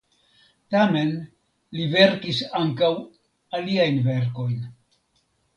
Tamen li verkis ankaŭ aliajn verkojn.